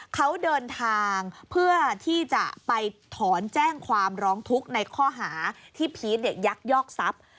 เขาเดินทางเพื่อที่จะไปถอนแจ้งความร้องทุกข์ในข้อหาที่พีชยักยอกทรัพย์